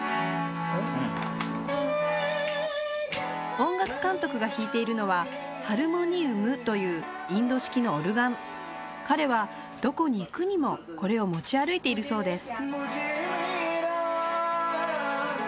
音楽監督が弾いているのはハルモニウムというインド式のオルガン彼はどこに行くにもこれを持ち歩いているそうです